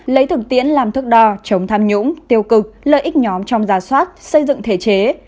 lấy thực tiễn làm thức đo chống tham nhũng tiêu cực lợi ích nhóm trong gia soát xây dựng thể chế